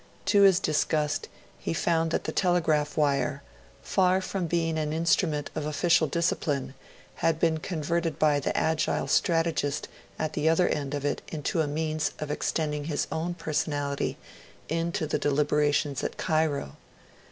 To his disgust, he found that the telegraph wire, far from being an instrument of official discipline, had been converted by the agile strategist at the other end of it into a means of extending his own personality into the deliberations at Cairo.